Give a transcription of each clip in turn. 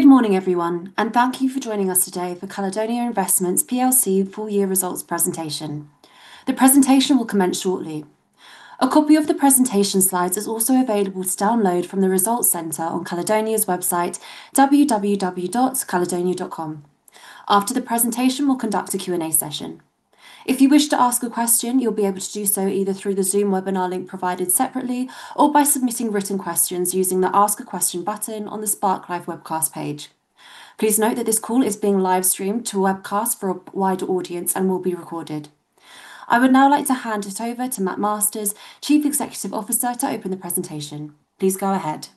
Good morning, everyone, and thank you for joining us today for Caledonia Investments Plc full year results presentation. The presentation will commence shortly. A copy of the presentation slides is also available to download from the results center on Caledonia's website, www.caledonia.com. After the presentation, we'll conduct a Q&A session. If you wish to ask a question, you'll be able to do so either through the Zoom webinar link provided separately or by submitting written questions using the Ask a Question button on the SparkLive webcast page. Please note that this call is being live streamed to a webcast for a wider audience and will be recorded. I would now like to hand it over to Mat Masters, Chief Executive Officer, to open the presentation. Please go ahead.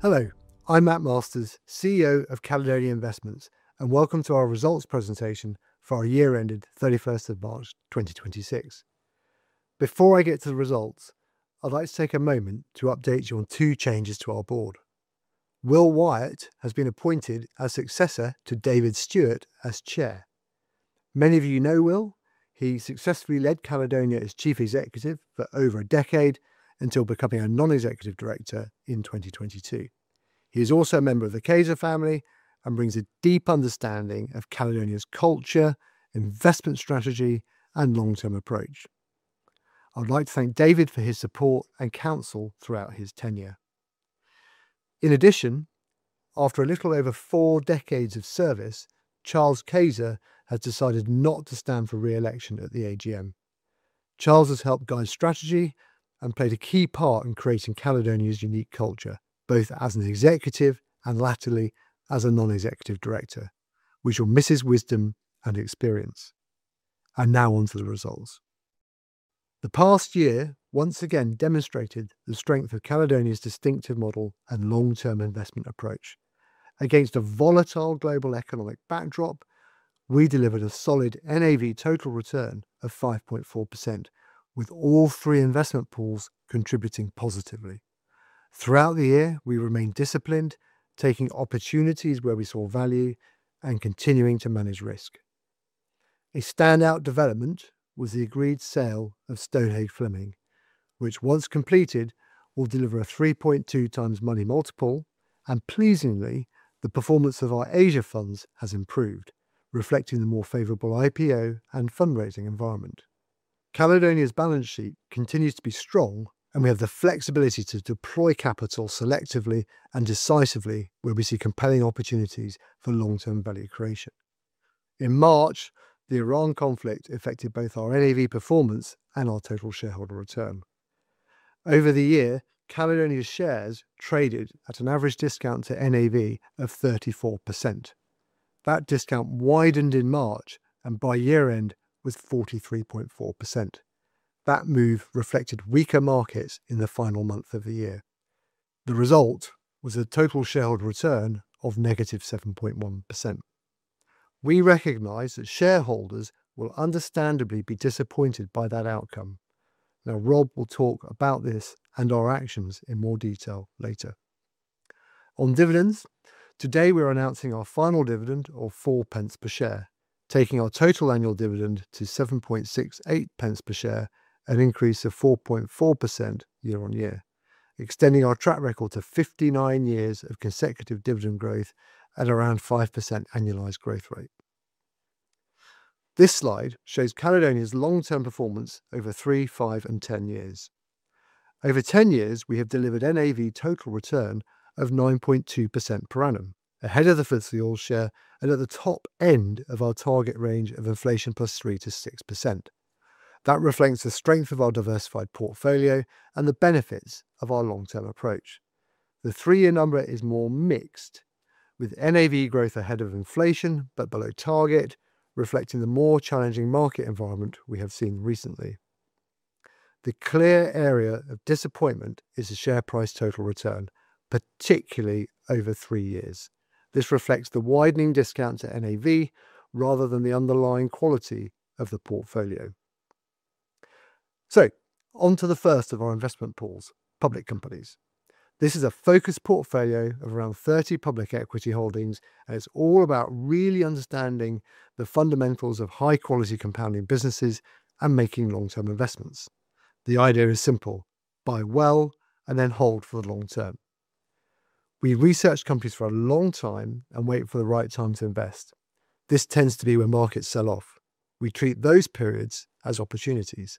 Hello, I'm Mat Masters, CEO of Caledonia Investments. Welcome to our results presentation for our year ended 31st March 2026. Before I get to the results, I'd like to take a moment to update you on two changes to our board. Will Wyatt has been appointed as successor to David Stewart as Chair. Many of you know Will. He successfully led Caledonia as Chief Executive for over a decade until becoming a Non-Executive Director in 2022. He is also a member of the Cayzer family and brings a deep understanding of Caledonia's culture, investment strategy, and long-term approach. I would like to thank David for his support and counsel throughout his tenure. In addition, after a little over four decades of service, Charles Cayzer has decided not to stand for re-election at the AGM. Charles has helped guide strategy and played a key part in creating Caledonia's unique culture, both as an executive and latterly as a non-executive director. We shall miss his wisdom and experience. Now onto the results. The past year once again demonstrated the strength of Caledonia's distinctive model and long-term investment approach. Against a volatile global economic backdrop, we delivered a solid NAV total return of 5.4%, with all three investment pools contributing positively. Throughout the year, we remained disciplined, taking opportunities where we saw value and continuing to manage risk. A standout development was the agreed sale of Stonehage Fleming, which, once completed, will deliver a 3.2x money multiple. Pleasingly, the performance of our Asia funds has improved, reflecting the more favorable IPO and fundraising environment. Caledonia's balance sheet continues to be strong, and we have the flexibility to deploy capital selectively and decisively where we see compelling opportunities for long-term value creation. In March, the Iranian conflict affected both our NAV performance and our total shareholder return. Over the year, Caledonia shares traded at an average discount to NAV of 34%. That discount widened in March and by year end was 43.4%. That move reflected weaker markets in the final month of the year. The result was a total shareholder return of -7.1%. We recognize that shareholders will understandably be disappointed by that outcome. Rob will talk about this and our actions in more detail later. On dividends, today we're announcing our final dividend of 0.04 per share, taking our total annual dividend to 0.0768 per share, an increase of 4.4% year-over-year. Extending our track record to 59 years of consecutive dividend growth at around 5% annualized growth rate. This slide shows Caledonia's long-term performance over three, five, and 10 years. Over 10 years, we have delivered NAV total return of 9.2% per annum. Ahead of the FTSE All-Share and at the top end of our target range of inflation plus 3%-6%. That reflects the strength of our diversified portfolio and the benefits of our long-term approach. The three-year number is more mixed, with NAV growth ahead of inflation, but below target, reflecting the more challenging market environment we have seen recently. The clear area of disappointment is the share price total return, particularly over three years. This reflects the widening discount to NAV rather than the underlying quality of the portfolio. On to the first of our investment pools, public companies. This is a focused portfolio of around 30 public equity holdings, and it's all about really understanding the fundamentals of high-quality compounding businesses and making long-term investments. The idea is simple. Buy well and then hold for the long term. We research companies for a long time and wait for the right time to invest. This tends to be when markets sell off. We treat those periods as opportunities.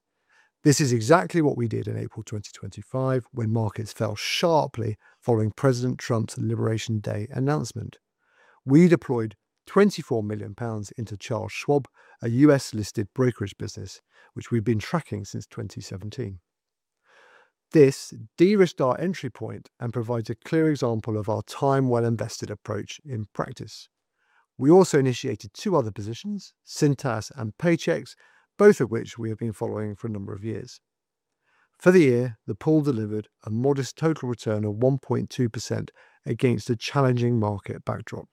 This is exactly what we did in April 2025 when markets fell sharply following President Trump's Liberation Day announcement. We deployed 24 million pounds into Charles Schwab, a U.S.-listed brokerage business, which we've been tracking since 2017. This de-risked our entry point and provides a clear example of our time well-invested approach in practice. We also initiated two other positions, Cintas and Paychex, both of which we have been following for a number of years. For the year, the pool delivered a modest total return of 1.2% against a challenging market backdrop.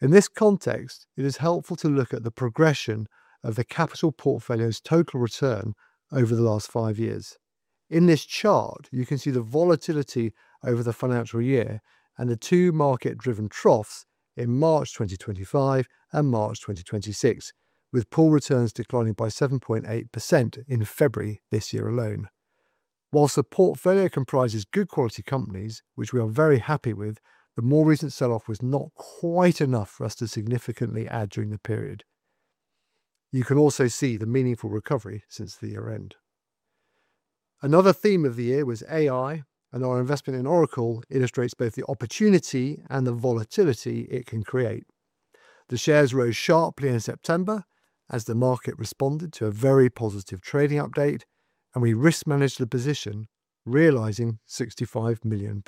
In this context, it is helpful to look at the progression of the capital portfolio's total return over the last five years. In this chart, you can see the volatility over the financial year and the two market-driven troughs in March 2025 and March 2026, with pool returns declining by 7.8% in February this year alone. While the portfolio comprises good quality companies, which we are very happy with, the more recent sell-off was not quite enough for us to significantly add during the period. You can also see the meaningful recovery since the year-end. Another theme of the year was AI, and our investment in Oracle illustrates both the opportunity and the volatility it can create. The shares rose sharply in September as the market responded to a very positive trading update, and we risk managed the position, realizing GBP 65 million.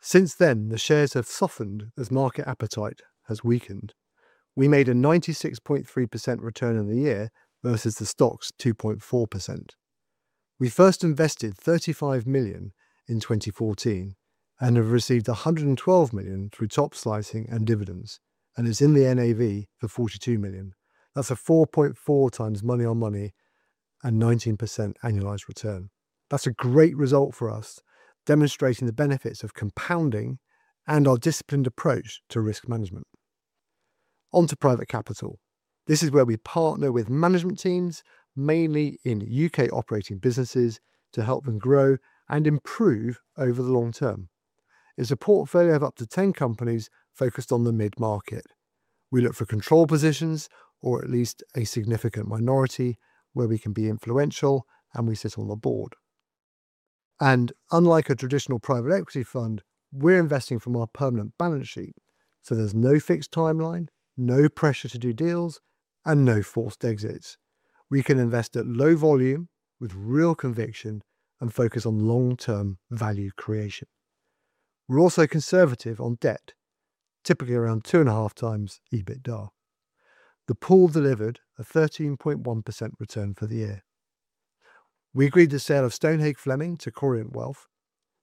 Since then, the shares have softened as market appetite has weakened. We made a 96.3% return on the year versus the stock's 2.4%. We first invested 35 million in 2014 and have received 112 million through top slicing and dividends, and is in the NAV for 42 million. That's a 4.4x money on money and 19% annualized return. That's a great result for us, demonstrating the benefits of compounding and our disciplined approach to risk management. Onto private capital. This is where we partner with management teams, mainly in U.K.-operating businesses, to help them grow and improve over the long term. It's a portfolio of up to 10 companies focused on the mid-market. We look for control positions or at least a significant minority where we can be influential, and we sit on the board. Unlike a traditional private equity fund, we're investing from our permanent balance sheet, so there's no fixed timeline, no pressure to do deals, and no forced exits. We can invest at low volume with real conviction and focus on long-term value creation. We're also conservative on debt, typically around 2.5 times EBITDA. The pool delivered a 13.1% return for the year. We agreed the sale of Stonehage Fleming to Corient Private Wealth.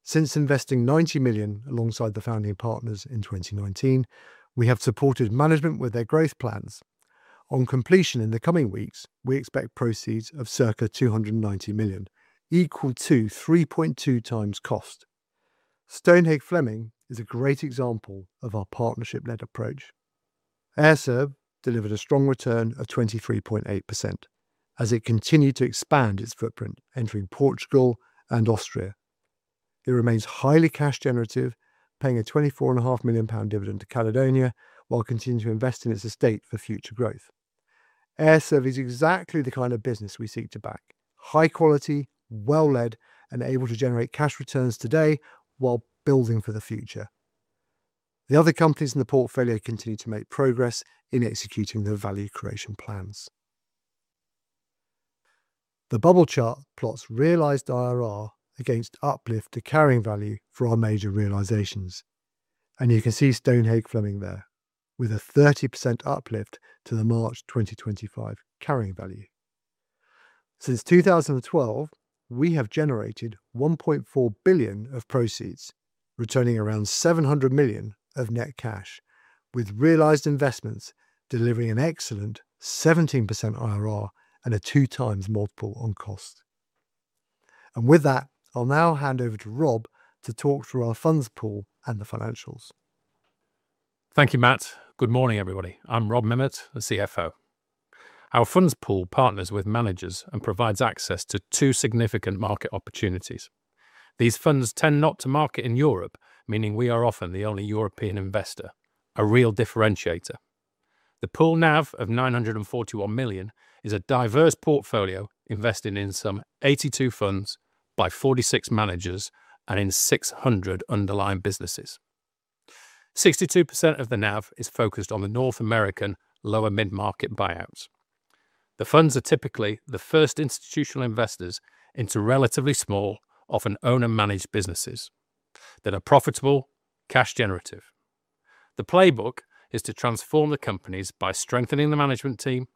Since investing 90 million alongside the founding partners in 2019, we have supported management with their growth plans. On completion in the coming weeks, we expect proceeds of circa 290 million, equal to 3.2x cost. Stonehage Fleming is a great example of our partnership-led approach. AIR-serv delivered a strong return of 23.8% as it continued to expand its footprint, entering Portugal and Austria. It remains highly cash generative, paying a 24.5 million pound dividend to Caledonia, while continuing to invest in its estate for future growth. AIR-serv is exactly the kind of business we seek to back. High quality, well-led, and able to generate cash returns today while building for the future. The other companies in the portfolio continue to make progress in executing their value creation plans. The bubble chart plots realized IRR against uplift to carrying value for our major realizations. You can see Stonehage Fleming there with a 30% uplift to the March 2025 carrying value. Since 2012, we have generated 1.4 billion of proceeds, returning around 700 million of net cash, with realized investments delivering an excellent 17% IRR and a 2x multiple on cost. With that, I'll now hand over to Rob to talk through our funds pool and the financials. Thank you, Mat. Good morning, everybody. I'm Rob Memmott, the CFO. Our funds pool partners with managers and provides access to two significant market opportunities. These funds tend not to market in Europe, meaning we are often the only European investor, a real differentiator. The pool NAV of 941 million is a diverse portfolio, investing in some 82 funds by 46 managers and in 600 underlying businesses. 62% of the NAV is focused on the North American lower mid-market buyouts. The funds are typically the first institutional investors into relatively small, often owner-managed businesses that are profitable, cash generative. The playbook is to transform the companies by strengthening the management team,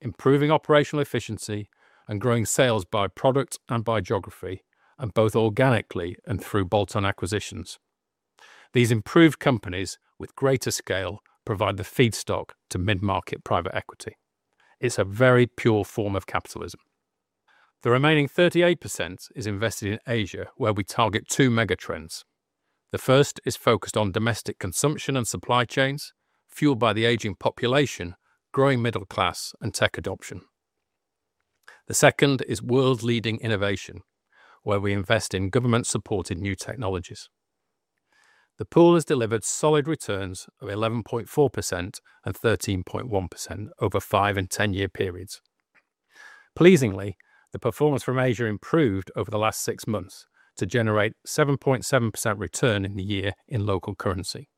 improving operational efficiency, and growing sales by product and by geography, and both organically and through bolt-on acquisitions. These improved companies with greater scale provide the feedstock to mid-market private equity. It's a very pure form of capitalism. The remaining 38% is invested in Asia, where we target two mega trends. The first is focused on domestic consumption and supply chains, fueled by the aging population, growing middle class, and tech adoption. The second is world-leading innovation, where we invest in government-supported new technologies. The pool has delivered solid returns of 11.4% and 13.1% over five and 10-year periods. Pleasingly, the performance from Asia improved over the last six months to generate 7.7% return in the year in local currency.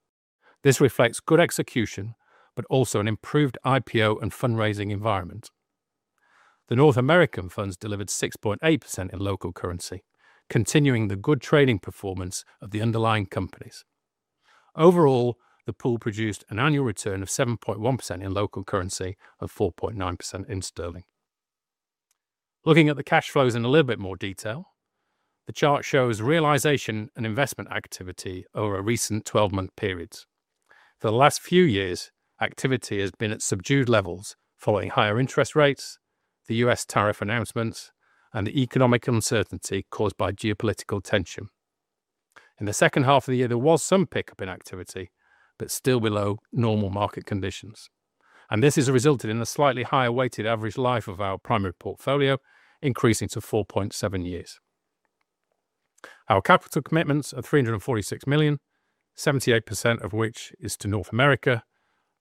This reflects good execution, but also an improved IPO and fundraising environment. The North American funds delivered 6.8% in local currency, continuing the good trading performance of the underlying companies. Overall, the pool produced an annual return of 7.1% in local currency and 4.9% in sterling. Looking at the cash flows in a little bit more detail. The chart shows realization and investment activity over a recent 12-month periods. For the last few years, activity has been at subdued levels following higher interest rates, the U.S. tariff announcements, and the economic uncertainty caused by geopolitical tension. In the second half of the year, there was some pickup in activity, but still below normal market conditions. This has resulted in a slightly higher weighted average life of our primary portfolio, increasing to 4.7 years. Our capital commitments are 346 million, 78% of which is to North America.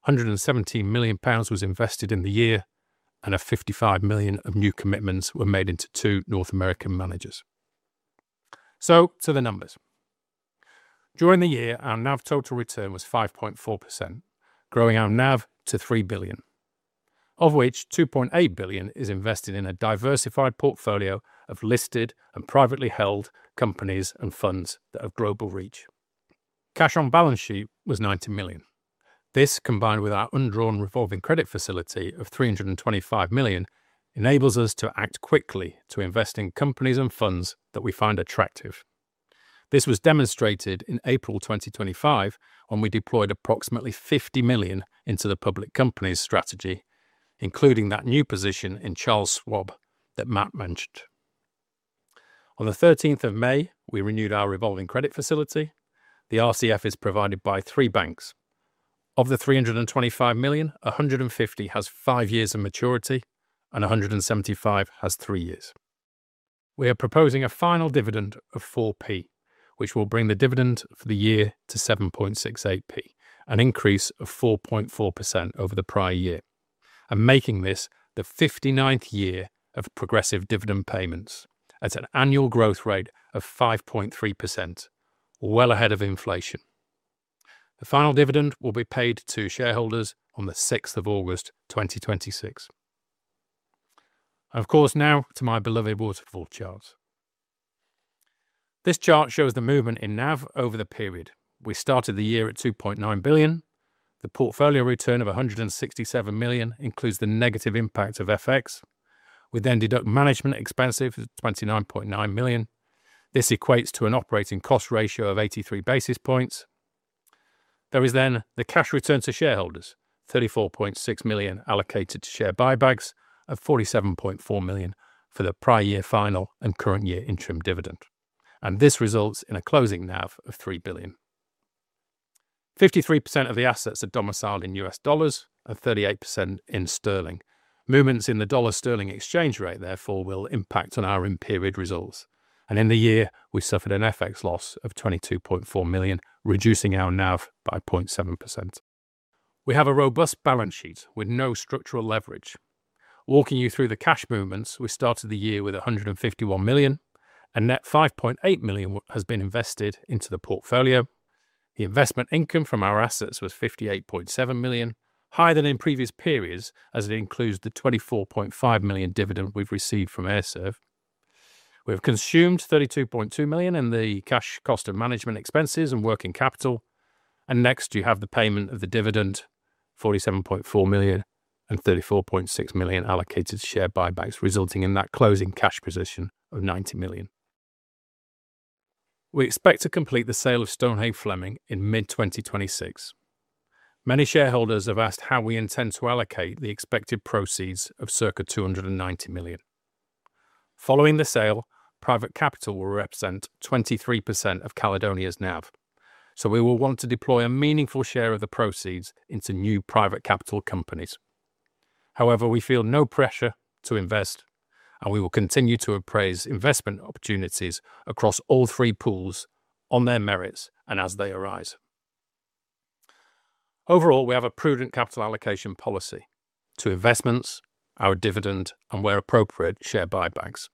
117 million pounds was invested in the year, and 55 million of new commitments were made into two North American managers. To the numbers. During the year, our NAV total return was 5.4%, growing our NAV to 3 billion, of which 2.8 billion is invested in a diversified portfolio of listed and privately held companies and funds that have global reach. Cash on balance sheet was 90 million. This, combined with our undrawn revolving credit facility of 325 million, enables us to act quickly to invest in companies and funds that we find attractive. This was demonstrated in April 2025, when we deployed approximately 50 million into the public company's strategy, including that new position in Charles Schwab that Mat mentioned. On the May 13th, we renewed our revolving credit facility. The RCF is provided by three banks. Of the 325 million, 150 has five years of maturity, and 175 has 3 years. We are proposing a final dividend of 0.04, which will bring the dividend for the year to 0.0768, an increase of 4.4% over the prior year, and making this the 59th year of progressive dividend payments at an annual growth rate of 5.3%, well ahead of inflation. The final dividend will be paid to shareholders on August 6th 2026. Of course, now to my beloved waterfall chart. This chart shows the movement in NAV over the period. We started the year at 2.9 billion. The portfolio return of 167 million includes the negative impact of FX. We then deduct management expenses of 29.9 million. This equates to an operating cost ratio of 83 basis points. There is then the cash return to shareholders, 34.6 million allocated to share buybacks and 47.4 million for the prior year final and current year interim dividend. This results in a closing NAV of 3 billion. 53% of the assets are domiciled in US dollars and 38% in sterling. Movements in the dollar sterling exchange rate therefore will impact on our in-period results. In the year, we suffered an FX loss of 22.4 million, reducing our NAV by 0.7%. We have a robust balance sheet with no structural leverage. Walking you through the cash movements, we started the year with 151 million and net 5.8 million has been invested into the portfolio. The investment income from our assets was 58.7 million, higher than in previous periods, as it includes the 24.5 million dividend we've received from AIR-serv. We have consumed 32.2 million in the cash cost of management expenses and working capital. Next, you have the payment of the dividend, 47.4 million and 34.6 million allocated to share buybacks, resulting in that closing cash position of 90 million. We expect to complete the sale of Stonehage Fleming in mid 2026. Many shareholders have asked how we intend to allocate the expected proceeds of circa 290 million. Following the sale, private capital will represent 23% of Caledonia's NAV, so we will want to deploy a meaningful share of the proceeds into new private capital companies. We feel no pressure to invest, and we will continue to appraise investment opportunities across all three pools on their merits and as they arise. We have a prudent capital allocation policy to investments, our dividend, and where appropriate, share buybacks.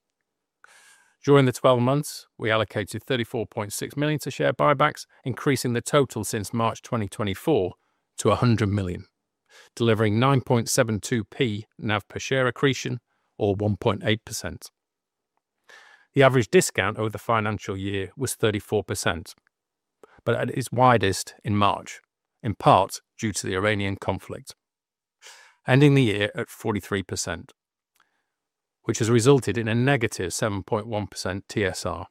During the 12 months, we allocated 34.6 million to share buybacks, increasing the total since March 2024 to 100 million, delivering 9.72p NAV per share accretion or 1.8%. The average discount over the financial year was 34%, but at its widest in March, in part due to the Iranian conflict, ending the year at 43%, which has resulted in a -7.1% TSR.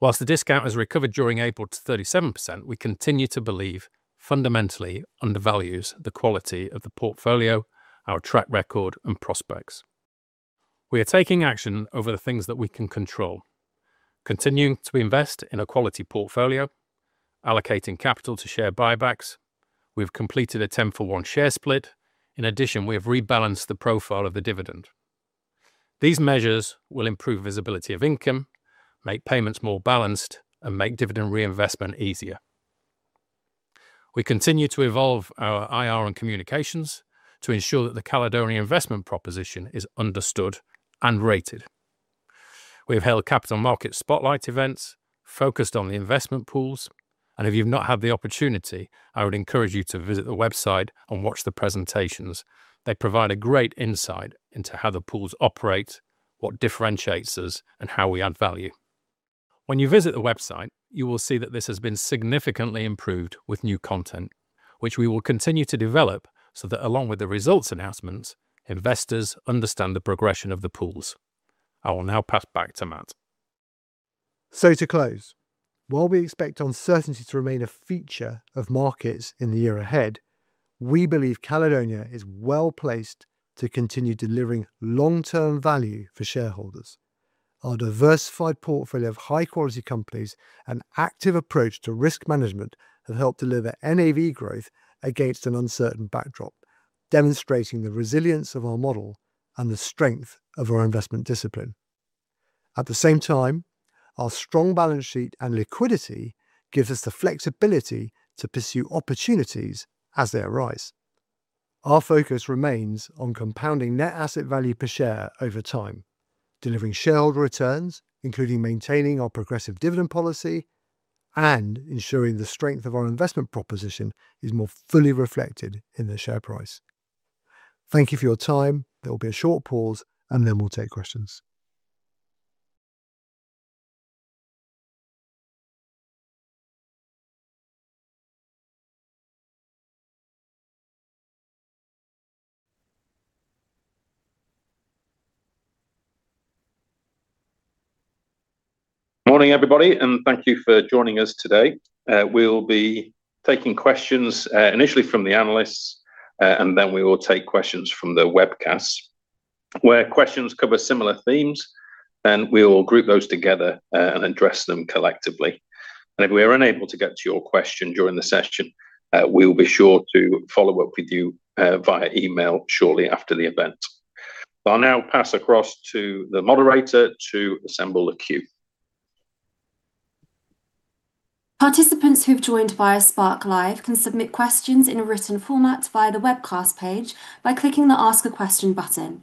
Whilst the discount has recovered during April to 37%, we continue to believe fundamentally undervalues the quality of the portfolio, our track record, and prospects. We are taking action over the things that we can control. Continuing to invest in a quality portfolio, allocating capital to share buybacks, we've completed a 10 for one share split. In addition, we have rebalanced the profile of the dividend. These measures will improve visibility of income, make payments more balanced, and make dividend reinvestment easier. We continue to evolve our IR and communications to ensure that the Caledonia investment proposition is understood and rated. We have held capital market spotlight events focused on the investment pools, and if you've not had the opportunity, I would encourage you to visit the website and watch the presentations. They provide a great insight into how the pools operate, what differentiates us, and how we add value. When you visit the website, you will see that this has been significantly improved with new content, which we will continue to develop so that along with the results announcements, investors understand the progression of the pools. I will now pass back to Mat. To close, while we expect uncertainty to remain a feature of markets in the year ahead, we believe Caledonia is well-placed to continue delivering long-term value for shareholders. Our diversified portfolio of high-quality companies and active approach to risk management have helped deliver NAV growth against an uncertain backdrop, demonstrating the resilience of our model and the strength of our investment discipline. At the same time, our strong balance sheet and liquidity gives us the flexibility to pursue opportunities as they arise. Our focus remains on compounding net asset value per share over time, delivering shareholder returns, including maintaining our progressive dividend policy and ensuring the strength of our investment proposition is more fully reflected in the share price. Thank you for your time. There will be a short pause, and then we'll take questions. Morning, everybody, thank you for joining us today. We'll be taking questions, initially from the analysts, then we will take questions from the webcast. Where questions cover similar themes, then we will group those together, address them collectively. If we are unable to get to your question during the session, we'll be sure to follow up with you via email shortly after the event. I'll now pass across to the moderator to assemble the queue. Participants who've joined via SparkLive can submit questions in a written format via the webcast page by clicking the Ask a Question button.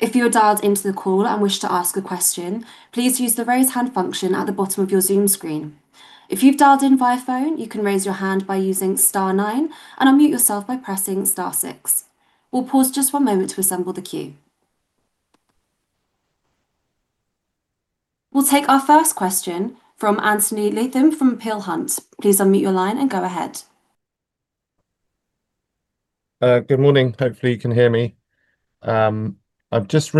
If you're dialed into the call and wish to ask a question, please use the Raise Hand function at the bottom of your Zoom screen. If you've dialed in via phone, you can raise your hand by using star nine and unmute yourself by pressing star six. We'll pause just one moment to assemble the queue. We'll take our first question from Anthony Leatham from Peel Hunt. Please unmute your line and go ahead. Good morning. Hopefully you can hear me. I'm just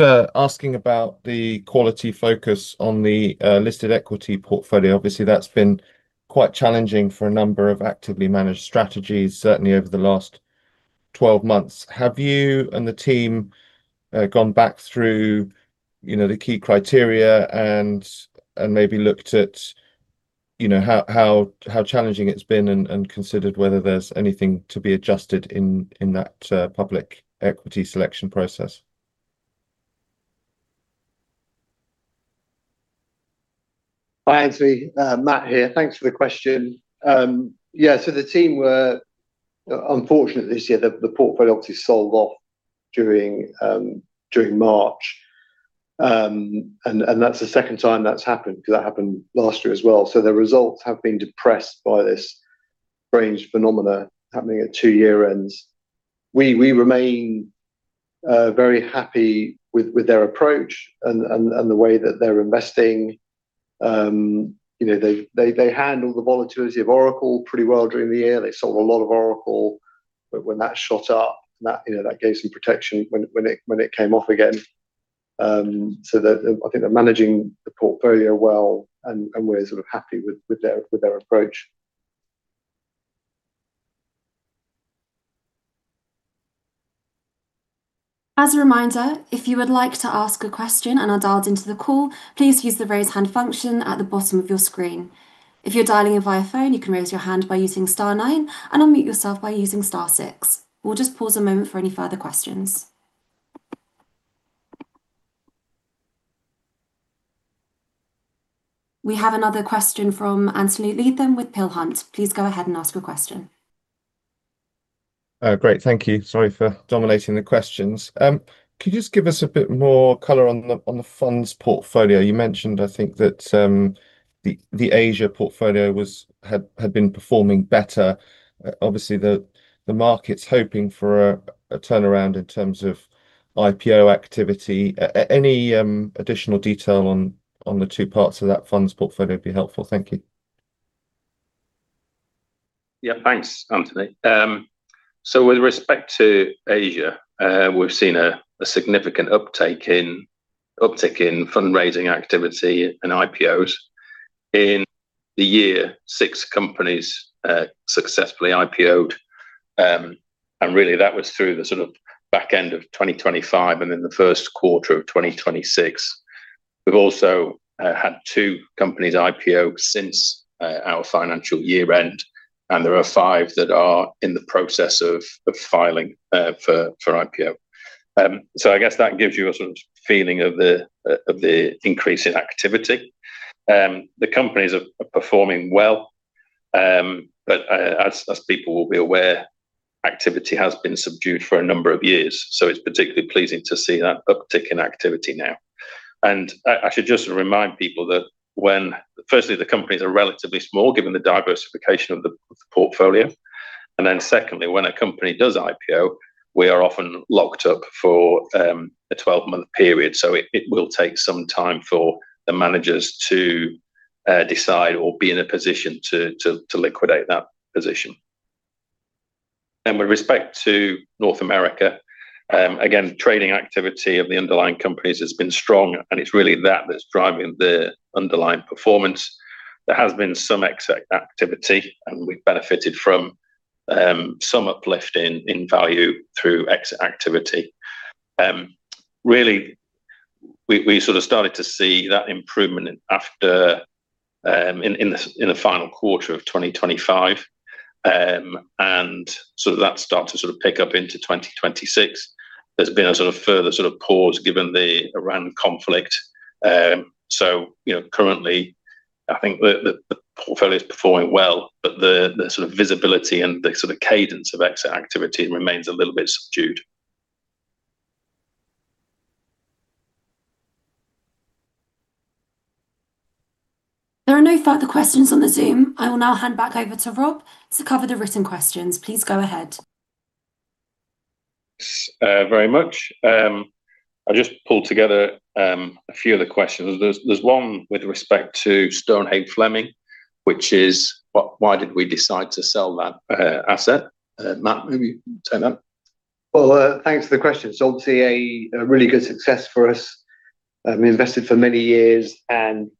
asking about the quality focus on the listed equity portfolio. Obviously, that's been quite challenging for a number of actively managed strategies, certainly over the last 12 months. Have you and the team gone back through, you know, the key criteria and maybe looked at, you know, how challenging it's been and considered whether there's anything to be adjusted in that public equity selection process? Hi, Anthony. Mat here. Thanks for the question. Yeah, unfortunately this year, the portfolio obviously sold off during March. That's the second time that's happened because that happened last year as well. The results have been depressed by this strange phenomenon happening at two year-ends. We remain very happy with their approach and the way that they're investing. You know, they handled the volatility of Oracle pretty well during the year. They sold a lot of Oracle. When that shot up, that, you know, gave some protection when it came off again. I think they're managing the portfolio well, and we're sort of happy with their approach. As a reminder, if you would like to ask a question and are dialed into the call, please use the Raise Hand function at the bottom of your screen. If you're dialing in via phone, you can raise your hand by using star nine and unmute yourself by using star six. We'll just pause a moment for any further questions. We have another question from Anthony Leatham with Peel Hunt. Please go ahead and ask a question. Great. Thank you. Sorry for dominating the questions. Could you just give us a bit more color on the funds portfolio? You mentioned, I think, that the Asia portfolio had been performing better. Obviously the market's hoping for a turnaround in terms of IPO activity. Any additional detail on the two parts of that funds portfolio would be helpful. Thank you. Thanks, Anthony. With respect to Asia, we've seen a significant uptick in fundraising activity and IPOs. In the year, six companies successfully IPO'd. Really that was through the sort of back end of 2025 and in the first quarter of 2026. We've also had two companies IPO since our financial year end, and there are five that are in the process of filing for IPO. I guess that gives you a sort of feeling of the increase in activity. The companies are performing well. As people will be aware, activity has been subdued for a number of years, so it's particularly pleasing to see that uptick in activity now. I should just remind people that when firstly, the companies are relatively small, given the diversification of the portfolio. Secondly, when a company does IPO, we are often locked up for a 12-month period, so it will take some time for the managers to decide or be in a position to liquidate that position. With respect to North America, again, trading activity of the underlying companies has been strong, and it's really that's driving the underlying performance. There has been some exit activity and we've benefited from some uplift in value through exit activity. Really we sort of started to see that improvement in after in the final quarter of 2025. That start to sort of pick up into 2026. There's been a sort of further sort of pause given the Iranian conflict. You know, currently I think the portfolio's performing well, but the sort of visibility and the sort of cadence of exit activity remains a little bit subdued. There are no further questions on the Zoom. I will now hand back over to Rob to cover the written questions. Please go ahead. Thanks, very much. I just pulled together a few of the questions. There's one with respect to Stonehage Fleming, which is why did we decide to sell that asset? Mat, maybe take that. Well, thanks for the question. It's obviously a really good success for us. We invested for many years and,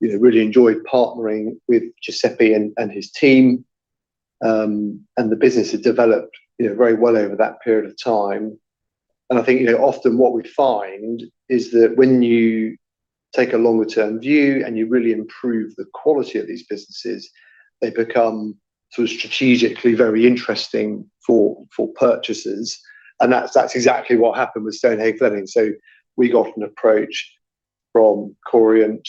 you know, really enjoyed partnering with Giuseppe and his team. The business had developed, you know, very well over that period of time. I think, you know, often what we find is that when you take a longer term view and you really improve the quality of these businesses, they become sort of strategically very interesting for purchasers. That's exactly what happened with Stonehage Fleming. We got an approach from Corient.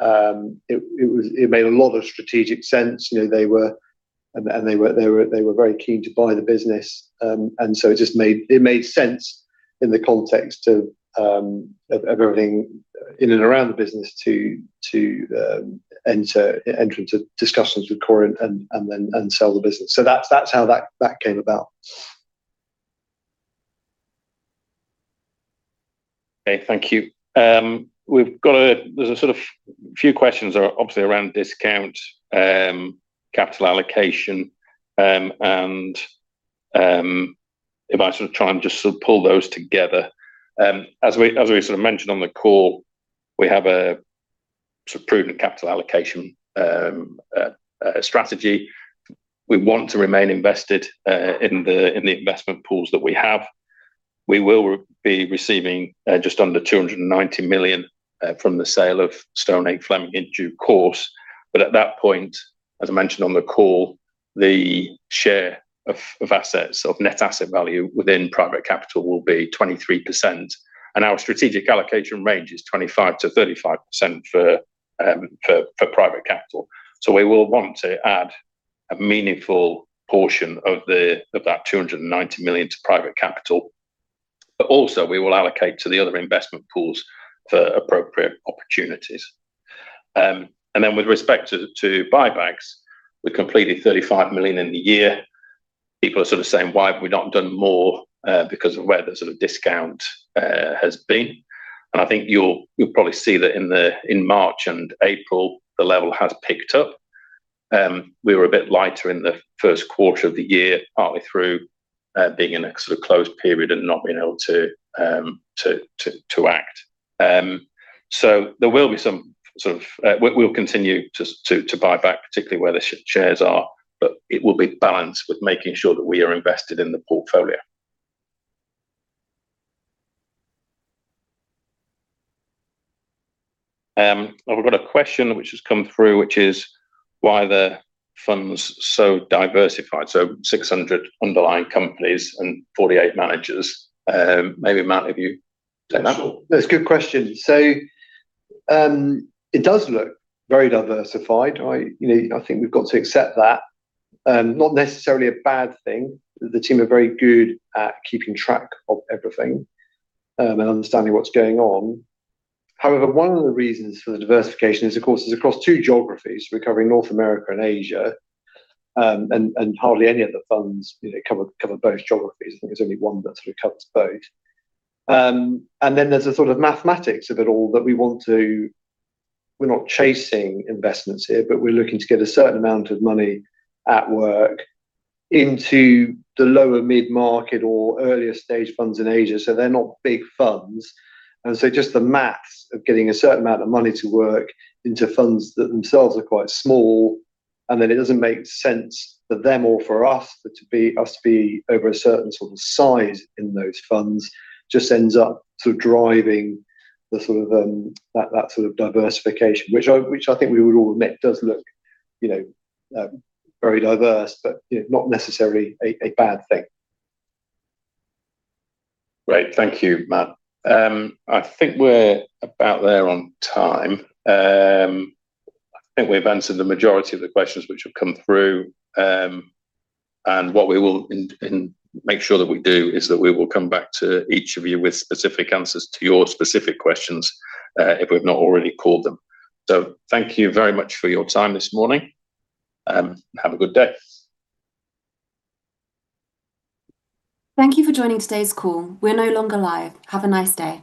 It made a lot of strategic sense. You know, they were very keen to buy the business. It made sense in the context of everything in and around the business to enter into discussions with Corient and then sell the business. That's how that came about. Okay, thank you. There's a sort of few questions are obviously around discount, capital allocation, and if I sort of try and just sort of pull those together. As we sort of mentioned on the call, we have a sort of prudent capital allocation strategy. We want to remain invested in the investment pools that we have. We will be receiving just under 290 million from the sale of Stonehage Fleming in due course. At that point, as I mentioned on the call, the share of assets, of net asset value within private capital will be 23%. Our strategic allocation range is 25%-35% for private capital. We will want to add a meaningful portion of that 290 million to private capital. Also we will allocate to the other investment pools for appropriate opportunities. Then with respect to buybacks, we completed 35 million in the year. People are sort of saying, "Why have we not done more?" Because of where the sort of discount has been. I think you'll probably see that in March and April the level has picked up. We were a bit lighter in the first quarter of the year, partly through being in a sort of closed period and not being able to act. There will be some sort of We'll continue to buy back, particularly where the shares are, but it will be balanced with making sure that we are invested in the portfolio. I've got a question which has come through, which is why the fund's so diversified. 600 underlying companies and 48 managers. Maybe Mat, if you take that. Sure. That's a good question. It does look very diversified. I, you know, I think we've got to accept that. Not necessarily a bad thing. The team are very good at keeping track of everything and understanding what's going on. However, one of the reasons for the diversification is, of course, it's across two geographies, we're covering North America and Asia. Hardly any of the funds, you know, cover both geographies. I think there's only one that sort of covers both. There's the sort of mathematics of it all. We're not chasing investments here, but we're looking to get a certain amount of money at work into the lower mid-market or earlier stage funds in Asia, so they're not big funds. Just the math of getting a certain amount of money to work into funds that themselves are quite small, and then it doesn't make sense for them or for us to be over a certain sort of size in those funds just ends up sort of driving the sort of, that sort of diversification, which I, which I think we would all admit does look, you know, very diverse, but, you know, not necessarily a bad thing. Great. Thank you, Mat. I think we're about there on time. I think we've answered the majority of the questions which have come through. What we will make sure that we do is that we will come back to each of you with specific answers to your specific questions, if we've not already called them. Thank you very much for your time this morning. Have a good day. Thank you for joining today's call. We're no longer live. Have a nice day.